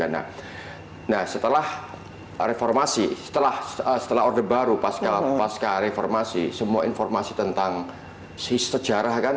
nah setelah reformasi setelah orde baru pasca reformasi semua informasi tentang sejarah kan